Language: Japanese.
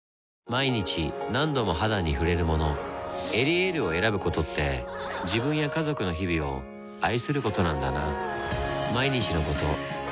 毎日何度も肌に触れるもの「エリエール」を選ぶことって自分や家族の日々を愛することなんだなぁ